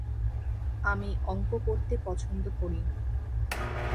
আমি অঙ্ক করতে পছন্দ করি।